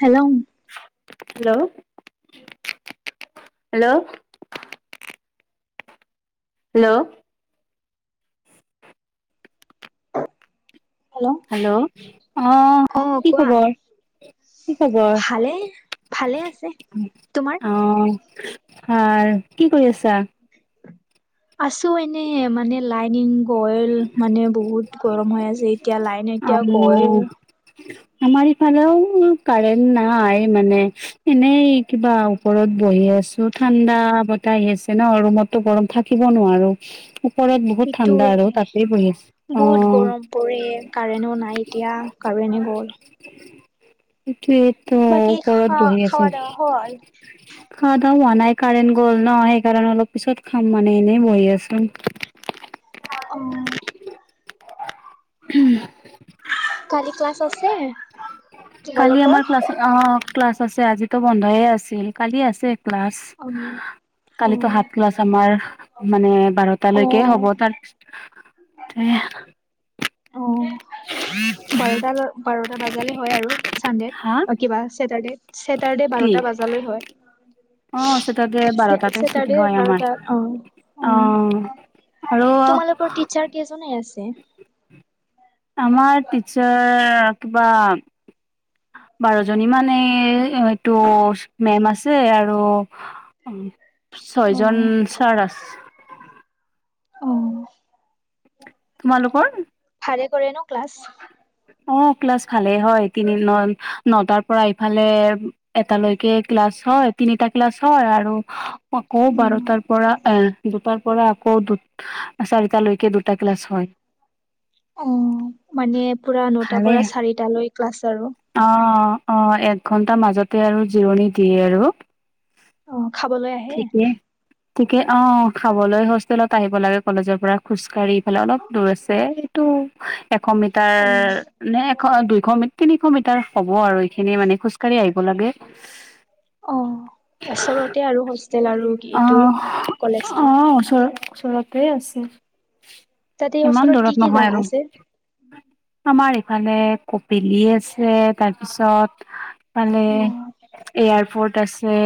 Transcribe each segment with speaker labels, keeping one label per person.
Speaker 1: Hello.
Speaker 2: Hello, -hello, hello
Speaker 1: hello
Speaker 2: hello আহ
Speaker 1: অ
Speaker 2: কি
Speaker 1: কোৱা
Speaker 2: খবৰ কি
Speaker 1: ভালে ভালে
Speaker 2: খবৰ
Speaker 1: আছে তোমাৰ
Speaker 2: অ হয় কি কৰিছা
Speaker 1: আছো এনে মানে লাইনিং গ'ল মানে বহুত গৰম হয় আজি। [unintelligible] এতিয়া লাইন
Speaker 2: অ
Speaker 1: এতিয়া গল [unintelligible]
Speaker 2: আমাৰ ইফালেও কাৰেণ্ট নাই মানে এনেই কিবা ওপৰত বহি আ [unintelligible] ঠাণ্ডা বতাহ আহি আছে ন' ৰুমতো গৰম থাকিব নোৱাৰো ওপৰত বহুত ঠাণ্ডা
Speaker 1: সেইটোৱে
Speaker 2: আৰু তাতেই বহি আছো অহ,
Speaker 1: কাৰেনো নাই এতিয়া কাৰেনেই গ'ল
Speaker 2: [unintelligible]
Speaker 1: বাকী খা
Speaker 2: ওপৰত বহি আছো।
Speaker 1: খাৱা দাৱা হ'ল
Speaker 2: খোৱা দাও হোৱা নাই কাৰেণ গ'ল ন সেইকাৰণ অলপ পিছত খাম মানে এনেই বহি আছো
Speaker 1: উম
Speaker 2: উম [unintelligible]
Speaker 1: কালি ক্লাছ আছে
Speaker 2: কালি আমাৰ
Speaker 1: তোমালোকৰ?
Speaker 2: ক্লাছ অ ক্লাছ আছে আজিতো বন্ধয়ে আছিল কালি আছে ক্লাছ
Speaker 1: উম
Speaker 2: কালিতো হাফ ক্লাছ আমাৰ মানে
Speaker 1: অ
Speaker 2: বাৰটালৈকে হ'ব তাৰপিছত তই আহ।
Speaker 1: অ বাৰটা বাৰটা বজালে হয় আৰু
Speaker 2: হা
Speaker 1: চানডেত কিবা ছেটাৰডে - ছেটাৰডে বাৰটা বাজা লৈ হয়।
Speaker 2: আহ ছয় তাতে বাৰটাতে ছুটি
Speaker 1: চেটাৰডে
Speaker 2: হয় আমাৰ
Speaker 1: বাৰটা অ অ
Speaker 2: আহ আৰু
Speaker 1: তোমালোকৰ টিচাৰ কেইজনে আছে
Speaker 2: আমাৰ টিচাৰ কিবা বাৰজনী মানে এইটো মেম আছে আৰু
Speaker 1: অ
Speaker 2: ছয়জন ছাৰ আ
Speaker 1: আহ
Speaker 2: তোমালোক
Speaker 1: ছাৰে কৰে ন ক্লাছ
Speaker 2: অ ক্লাছ ভালেই হয় তিনি দিনত নতাৰ পৰা ইফালে এটালৈকে [unintelligible] ক্লাছ হয় তিনিটা ক্লাছ হয় আৰু আকৌ
Speaker 1: উম,
Speaker 2: বাৰটাৰ পৰা এ দুটাৰ পৰা আকৌ দুটা চাৰিটালৈকে দুটা ক্লাছ হয়।
Speaker 1: অ মানে পোৰা নটাৰ
Speaker 2: ভালে
Speaker 1: পৰা চাৰিটালৈ ক্লাছ আৰু
Speaker 2: অহ, এক ঘন্টা মাজতে আৰু জিৰণি দিয়ে আৰু।
Speaker 1: অহ, খাবলৈ আহে।
Speaker 2: তিকে অ' খাবলৈ হোষ্টেলত আহিব লাগে কলেজৰ পৰা খোজকাঢ়িফালে অলপ দূৰ আছে এইটো উম। এশ
Speaker 1: উম,
Speaker 2: মিটাৰ নে এশ দুইশ তিনিশ মিটাৰ হ'ব আৰু এইখিনি মানে খোজকাঢ়ি আহিব। হ'ব লাগে।
Speaker 1: অ ওচৰতে আৰু হোষ্টেল আৰু এইটো
Speaker 2: অহ
Speaker 1: কলেজটো।
Speaker 2: অহ ওচৰ ওচৰতে আছে
Speaker 1: তাতে
Speaker 2: ইমান
Speaker 1: ওচৰত কি
Speaker 2: দূৰত
Speaker 1: কি
Speaker 2: নহয়
Speaker 1: জাগা
Speaker 2: আৰু।
Speaker 1: আছে
Speaker 2: আমাৰ ইফালে কপিলি আছে তাৰপিছত। মানে
Speaker 1: অ
Speaker 2: এয়াৰফৰ্ট আছে।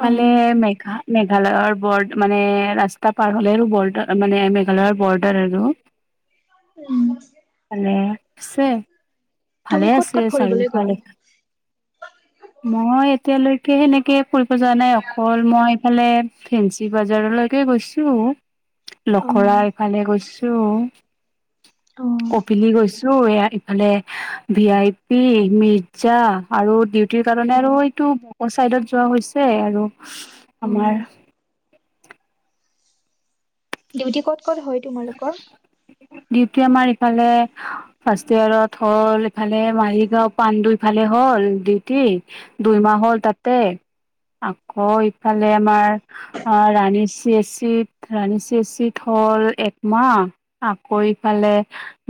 Speaker 1: অ
Speaker 2: মেঘা। মেঘালয়ৰ বদ মানে ৰাস্তা পাৰ হ'লে আৰু বৰ্ডাৰ মানে মেঘালয়ৰ বৰ্ডাৰ আৰু। [unintelligible]
Speaker 1: উম।
Speaker 2: মানে আছে ভালে
Speaker 1: তুমি ক'ত
Speaker 2: আছে
Speaker 1: ক'ত ফুৰিবলৈ গ'ল?
Speaker 2: চাৰিওফালে মই। এতিয়ালৈকে সেনেকে ফুৰিব যোৱা নাই অকল মই ইফালে ফেঞ্চি বজাৰলৈকে গৈছো। লখৰা
Speaker 1: অ',
Speaker 2: ইফালে গৈছো
Speaker 1: অ',
Speaker 2: কপিলি গৈছো। আৰু এয়া ইফালে ভি আই পি, মিৰ্জা আৰু। কাৰণে আৰু
Speaker 1: অ',
Speaker 2: এইটো ব চাইডত যোৱা হৈছে আৰু আমাৰ।
Speaker 1: অ', ডিউটি ক'ত ক'ত হয় তোমালোকৰ।
Speaker 2: ডেউতি আমাৰ ইফালে ফাৰ্ষ্ট ইয়ত হ'ল ইফালে মাৰিগাঁও পাণ্ডু ইফালে। হ'ল ডিটি দুইমাহ হ'ল তাতে। আকৌ ইফালে আমাৰ অহ' ৰাণী চি এচিত- ৰাণী চ এচিত হও। হল একমাহ। আকৌ ইফালে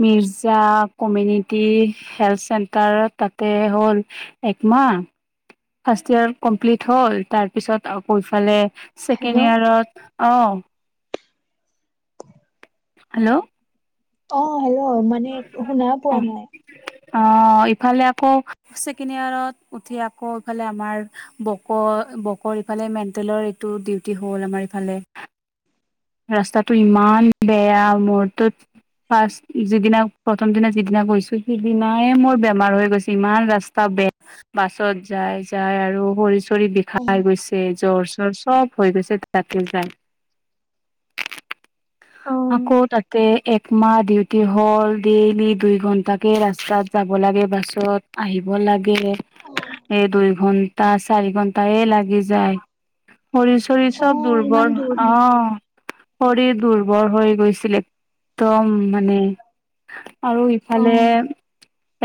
Speaker 2: মিৰ্জা কমিউনিটি হাল্ড চেণ্টাৰ তাতে। এ'হ'ল একমাহ। ফাৰ্ষ্ট ইয়াৰ কমপ্লিট হ'ল তাৰপিছত আকৌ ইফালে।
Speaker 1: হেল্ল'।
Speaker 2: ছেকেণ্ড ইয়াৰত অ। হেল্ল'।
Speaker 1: অহ, হেল্ল', মানে শুনা পোৱা নাই।।
Speaker 2: অহ। এইফালে আকৌ ছেকেণ্ডৱেৰত এতিয়া আকৌ এইফালে আমাৰ বতৰ বতৰ। সি ফালে মেণ্টেলৰ এইটো ডিউটি হ'ল আমাৰ ইফালে। ৰাস্তাটো ইমান বেয়া মোৰটো। ফাষ্ট যিদিনা প্ৰথম দিনা যিদিনা গৈছো সিদিনাই মোৰ বেমাৰ হৈ গৈছে ইমান ৰাস্তা। বেষ্ট বাছত যায় যায় আৰু। ভৰি
Speaker 1: অ',
Speaker 2: বিষাই গৈছে জ্বৰ চৰ চব হৈ গৈছে ৰাতি যাই। আকৌ
Speaker 1: অ',
Speaker 2: তাতে এক। তোমাৰ ডিউটি হ'ল ডেইলি দুই ঘন্টাকে ৰাস্তাত যাব লাগে বাছত আহিব লাগে। লাগে এই দুই ঘন্টা, চাৰি ঘন্টা এ' লাগি যায়। শৰীৰ চৰিৰ চব
Speaker 1: অ', ইমান
Speaker 2: দুৰ্বল
Speaker 1: দূৰ নেকি?
Speaker 2: অহ। শৰীৰ দুৰ্বৰ হৈ গৈছিল একদম মানে। আৰু ইফালে।
Speaker 1: অ',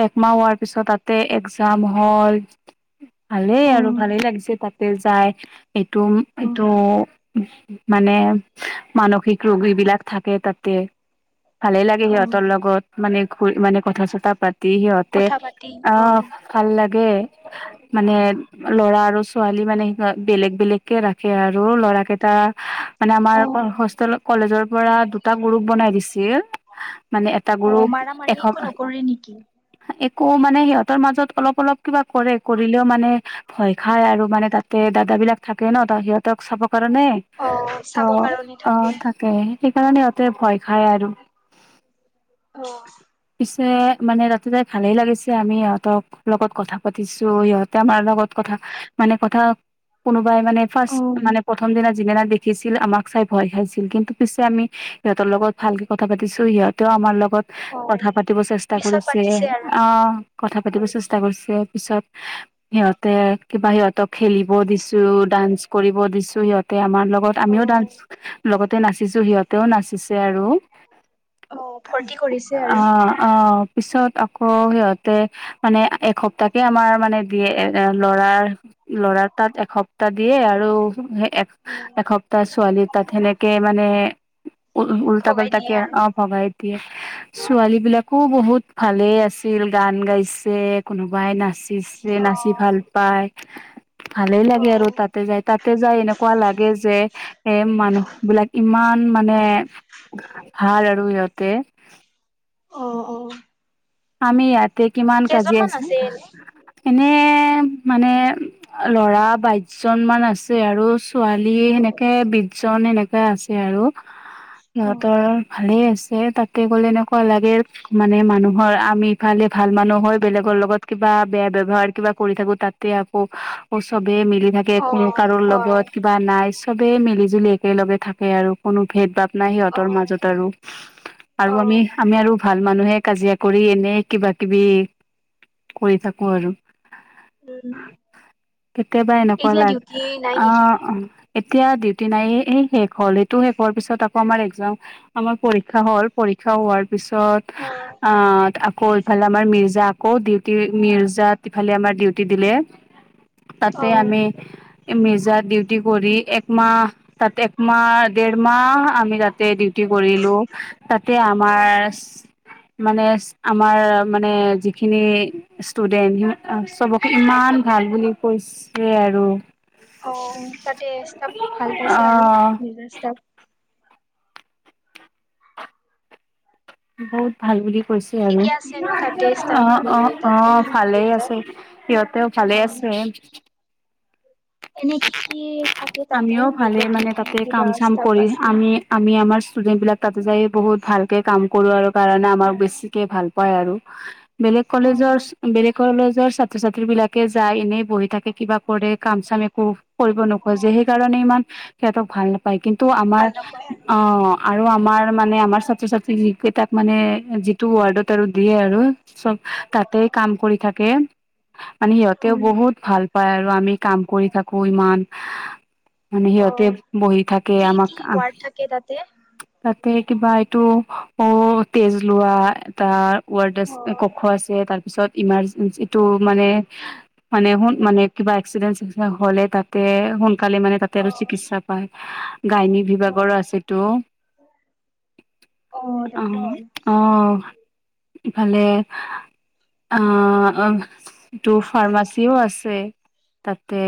Speaker 2: একমাহ হোৱাৰ পিছত তাতে একজাম হল ভালেই আৰু
Speaker 1: অ',
Speaker 2: ভালেই লাগিছে তাত। তাতে যায় এইটো
Speaker 1: অ',
Speaker 2: এইটো মানে। মানসিক ৰোগ এইবিলাক থাকে তাতে ভালে লাগে সিহঁতৰ
Speaker 1: অ',
Speaker 2: লগত মানে। ঘুৰি মানে কথা চতা পাত-। দি সিহঁতে
Speaker 1: কথা পাতি
Speaker 2: আহ
Speaker 1: অ'।
Speaker 2: ভাল লাগে মানে। ল'ৰা আৰু ছোৱালী মানে বেলেগ -বেলেগকে ৰাখে আৰু ল'ৰা কেইটা। মানে আমাৰ
Speaker 1: অ',
Speaker 2: হোষ্টেল কলেজৰ পৰা দুটা গ্ৰুপ বনাই দিছিল। মানে এটা
Speaker 1: অ',
Speaker 2: গ্ৰুপ
Speaker 1: মাৰা মাৰি
Speaker 2: এখন।
Speaker 1: একো নকৰে নেকি?
Speaker 2: কৌ মানে সিহঁতৰ মাজত অলপ অলপ কিবা কৰে কৰিলেও মানে ভয় খায় আৰু মানে তাতে দাদা। এইবিলাক থাকে ন' ত'সিহঁতক চাব কাৰণে
Speaker 1: অ', চাব কাৰণে
Speaker 2: ত'। অ
Speaker 1: থাকে।
Speaker 2: তাকে সেইকাৰণে সিহঁতেও ভয় খাই আৰু
Speaker 1: অ',
Speaker 2: পিছে মানে ৰাতিপুৱা ভালেই লাগিছে আমি ইহঁতৰ লগত কথা পাতিছো ইহঁতে আমাৰ লগত [unintelligible] কথা, হে মানে কথা কোনোবাই ফাৰ্ষ্ট মানে
Speaker 1: অ',
Speaker 2: প্ৰথম। যিদিনা দেখিছিল আমাক চাই ভয় খাইছিল, কিন্তু পিছে আমি সিহঁতৰ লগত ভালকে কথা পাতিছো সিহঁতেও আমাৰ লগ লগত
Speaker 1: অ',
Speaker 2: কথা পাতিব চেষ্টা
Speaker 1: পিছত
Speaker 2: কৰিছে,
Speaker 1: পাতিছে আৰু।
Speaker 2: অ কথা পাতিব
Speaker 1: অ',
Speaker 2: চেষ্টা কৰিছে। পিছত সিহঁতে কিবা সিহঁতক খেলিব দিছো, ডান্স কৰিব দিছো সিহঁতে আমাৰ লগত আমিও ডান্স
Speaker 1: অ'।
Speaker 2: লগতে নাচিছো, সিহঁতেও নাচিছে আৰু।
Speaker 1: অহ, ফূৰ্তি কৰিছে।
Speaker 2: অহ -
Speaker 1: আৰু
Speaker 2: অহ অ' পিছত আকৌ সিহঁতে মানে এসপ্তাহাকে আমাৰ মানে বি এ ল'ৰাৰ ল'ৰা তাত এসপ্তাহ দিয়ে আৰু এক এসপ্তাহ ছোৱালী তাত সেনেকে মানে। উ উল্টা
Speaker 1: ভগাই দিয়ে
Speaker 2: পাল্টাকে
Speaker 1: আৰু
Speaker 2: অ ভবাই দিয়ে ছোৱালী বিলাকো বহুত ভালে আছে। আছিল গান গাইছে, কোনোবাই নাচিছে
Speaker 1: অ
Speaker 2: নাচি ভাল পায়। ভালেই
Speaker 1: অ
Speaker 2: লাগে আৰু তাতে যাই তাতে যাই এনেকুৱা লাগে যে এ মানুহ বিলাক ইমান [unintelligible] মানে ভাল আৰু সিহঁতে।
Speaker 1: অঁ অ,
Speaker 2: আমি ইয়াতে কিমান কাজিয়া
Speaker 1: কেইজনমান
Speaker 2: আছো,
Speaker 1: আছে এনে
Speaker 2: এনেই [unintelligible] [unintelligible] মানে ল'ৰা বাইশজনমান আছে আৰু ছো ছোৱালী
Speaker 1: অ
Speaker 2: সেনেকে বিছজন সেনেকা আছে আৰু
Speaker 1: অ
Speaker 2: সিহঁতৰ ভালে আছ এ তাতে গ'লে এনেকুৱা লাগে মানে মানুহ আমি ইফালে ভাল মানুহ হয়, বেলেগৰ লগত কিবা বেয়া ব্যৱহাৰ কিবা কৰি থাকো তাতে আকৌ চবেই মিলি থাকে
Speaker 1: অ
Speaker 2: কোনো কাৰো
Speaker 1: হয়
Speaker 2: লগত কিবা নাই চবেই মিলি জুলি একেলগে থাকে আৰু কোনো ভেদ ভাৱ নাই
Speaker 1: অ
Speaker 2: সিহঁতৰ মাজত আৰু, আৰু
Speaker 1: অ
Speaker 2: আমি আমি আৰু ভাল মানুহে কাজিয়া। কৰি এনেই কিবা-কিবি কৰি থাকো আৰু।
Speaker 1: উম
Speaker 2: কেতিয়াবা এনেকুৱা
Speaker 1: এতিয়া
Speaker 2: লাগ
Speaker 1: ডিউটি নাই
Speaker 2: [inaudible]
Speaker 1: নেকি
Speaker 2: আহ! এতিয়া ডিউটি নাই এই শেষ হ'ল, সেইটো শেষ হোৱাৰ পিছত আকৌ আমাৰ একজাম আমাৰ পৰীক্ষা হ'ল পৰী পৰীক্ষা হোৱাৰ পিছত
Speaker 1: অ
Speaker 2: অ, আকৌ ইফালে আমাৰ মিৰ্জা আকৌ ডিউটি মিৰ্জাত ইফালে আমাৰ ডিউটি দিলে।
Speaker 1: অ
Speaker 2: তাতে আমি মেজাত ডিউটি কৰি একমাহ তাত একমাহ, দেৰমাহ আমি তাতে দিও। ফূৰ্তি কৰিলো তাতে
Speaker 1: অ
Speaker 2: আমাৰ [unintelligible] মানে আমাৰ মানে যিখিনি ষ্টুডেণ্ট হি চবকে
Speaker 1: উম
Speaker 2: ইমান ভাল বুলি কৈছে আৰু।
Speaker 1: অ, তাতে ষ্টাফ ভাল
Speaker 2: অ
Speaker 1: পাইছে আৰু নিজৰ ষ্টাফ
Speaker 2: বহুত ভাল বুলি [unintelligible] হৈছে আৰু,
Speaker 1: ঠিকে আছে ন তাতে ষ্টাফ মানে
Speaker 2: অ-অ-অ
Speaker 1: তাতে
Speaker 2: ভালেই
Speaker 1: মিৰ্জাৰ
Speaker 2: আছে, সিহঁতেও ভালে আছে। অ।
Speaker 1: এনে কি কি থাকে
Speaker 2: [unintelligible]
Speaker 1: তাতে
Speaker 2: আমিও ভালে
Speaker 1: মিৰ্জা কি
Speaker 2: মানে
Speaker 1: কি
Speaker 2: তাতে
Speaker 1: কিবা
Speaker 2: কাম-চাম
Speaker 1: ষ্টাফ
Speaker 2: কৰি
Speaker 1: আছে
Speaker 2: আমি-আমি আমাৰ ষ্টুডেন্টবিলাক তাতে যাই বহুত ভালকে কাম কৰোঁ আৰু কাৰণে আমাক বেছিকে ভাল পায় আৰু। [unintelligible] বেলেগ
Speaker 1: অ
Speaker 2: কলেজৰ, বেলেগ কলেজৰ ছাত্ৰ ছাত্ৰী বিলাকে যায় এনেই বহি থাকে কিবা কৰে কাম চামে উম! কৰিব নোখোজে
Speaker 1: অ',
Speaker 2: সেইকাৰণে ইমান সিহঁতক ভাল না পায় কিন্তু আমাৰ
Speaker 1: ভাল নকয় আৰু।
Speaker 2: অ আৰু আমাৰ মানে আমাৰ ছাত্ৰ-ছাত্ৰী কেইটাক মানে যিটো ৱাৰ্ডত আৰু দিয়ে আৰু চব তাতে কাম কৰি থাকে। মানে সিহঁতেও
Speaker 1: অ'।
Speaker 2: বহুত ভাল পায় আৰু আমি কাম কৰি থাকো ইমান [unintelligible] মানে সিহঁতে
Speaker 1: অ',
Speaker 2: বহি থাকে
Speaker 1: কি
Speaker 2: আমাক
Speaker 1: কি ৱাৰ্ড থাকে তাতে?
Speaker 2: [unintelligible] এই কিবা এইটো অ তেজ লোৱা এটাৰ ৱৰ্ডচ আ ক
Speaker 1: অ',
Speaker 2: খ আছে তাৰ [unintelligible] পিছত ইমাৰ্জেঞ্চিটো মানে, মানে হুন মানে কিবা এক্সিডেন্ট চেক্সিডেন্ট হ'লে তাতে সোনকালে মানে তাতে আৰু
Speaker 1: অ',
Speaker 2: চিকিৎসা পায়। গাইনী বিভাগৰো আছেতো। অ অ ইফালে অ আহ টো ফাৰ্মাচীও আছে। তাতে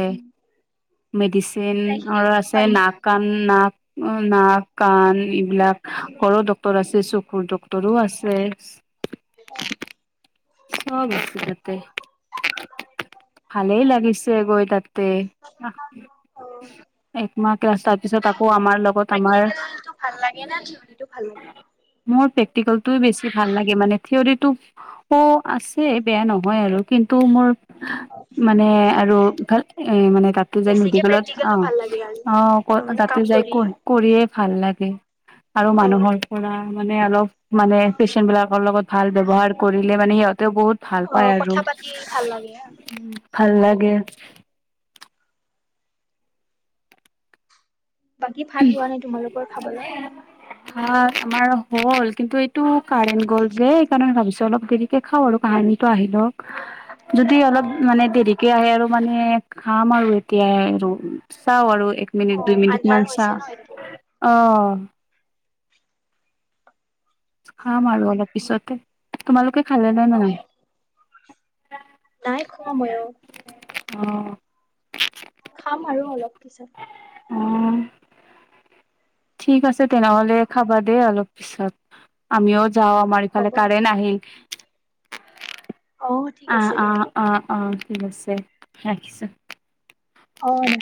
Speaker 1: গোটেইখিনি
Speaker 2: মেডিচনৰ
Speaker 1: ঔষধ
Speaker 2: আছে
Speaker 1: পাই ন?
Speaker 2: নাক-কাণ, নাক। অ নাক, কাণ এইবিলাক ঘৰৰ ডক্টৰ আছে, চকুৰ ডক্টৰো আছে।
Speaker 1: অ।
Speaker 2: চব বহিছে তাতে। ভালেই লাগিছে গৈ তাতে।
Speaker 1: অ'।
Speaker 2: একমাহ ক্লাছ তাৰ পিছত আকৌ আমাৰ লগত আমাৰ
Speaker 1: প্ৰেক্টিকেলটো ভাল লাগে না, [unintelligible] সিটো ভাল লাগে?
Speaker 2: মোৰ প্ৰেক্টিকেলটো বেছি ভাল লাগে মানে থিৱৰি টো, অ আছে বেয়া নহয় আৰু কিন্তু মোৰ মানে আৰুফাল এ মানে তাতো যে নদী
Speaker 1: বেছিকে
Speaker 2: কলত অ
Speaker 1: প্ৰেক্টিকেলটো ভাল লাগে আৰু।
Speaker 2: অ ক
Speaker 1: কাম
Speaker 2: তাতো যায়
Speaker 1: কৰি
Speaker 2: কৰি-কৰিয়ে ভাল লাগে। আৰু
Speaker 1: অ',
Speaker 2: মানুহৰ পৰা মানে অলপ মানে পেচেন্টবিলাকৰ লগত ভাল ব্যৱহাৰ কৰিলে মানে সিহঁতেও বহুত ভাল পায়
Speaker 1: অ',
Speaker 2: আৰু
Speaker 1: কথা পাতি ভাল লাগে আৰু।
Speaker 2: ভাল লাগে।
Speaker 1: বাকী ভাত হোৱা নাই তোমালোকৰ খাবলৈ?
Speaker 2: ভাত আমাৰ হ'ল কিন্তু এইটো কাৰেণ্ গ'ল যে এই কাৰণে ভাবিছো অলপ দেৰিকে খাও আৰু কাহ মানুহটো আহি লওক যদি অলপ
Speaker 1: অ',
Speaker 2: মানে দেৰিকে আহে আৰু মানে খাম আৰু এতিয়া চাও আৰু। এক মিনিট, দুই
Speaker 1: অ',
Speaker 2: মিনিট
Speaker 1: আন্ধাৰ
Speaker 2: মান
Speaker 1: হৈছে
Speaker 2: চাহ
Speaker 1: ন এতিয়া।
Speaker 2: অ। খাম আৰু অলপ পিছতে, তোমালোকে খালে নে
Speaker 1: অ'।
Speaker 2: নাই?
Speaker 1: নাই খোৱা ময়ো।
Speaker 2: অ।
Speaker 1: খাম আৰু অলপ পিছত।
Speaker 2: উম। ঠিক আছে তেনেহলে খাবা দে অলপ পিছত আমিও যাওঁ আমাৰ ইফালে
Speaker 1: হ'ব।
Speaker 2: কাৰেণ্ট আহিল
Speaker 1: অ ঠিক আছে
Speaker 2: আহ
Speaker 1: দে
Speaker 2: অ-অ-অ ঠিক আছে ৰাখিছো।
Speaker 1: অন